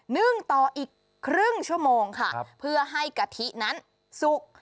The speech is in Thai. นึ่งต่ออีกครึ่งชั่วโมงค่ะเพื่อให้กะทินั้นสุก